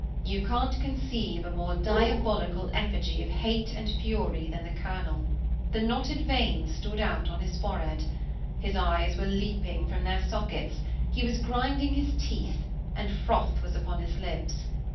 You can't conceive a more diabolical effigy of hate and fury than the Colonel; the knotted veins stood out on his forehead, his eyes were leaping from their sockets, he was grinding his teeth, and froth was on his lips.